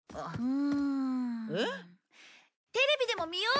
うん。